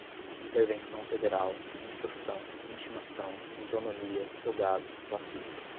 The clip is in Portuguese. intervenção federal, instrução, intimação, isonomia, togado, classista